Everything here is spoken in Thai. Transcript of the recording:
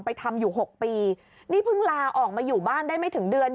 ทำอยู่หกปีนี่เพิ่งลาออกมาอยู่บ้านได้ไม่ถึงเดือน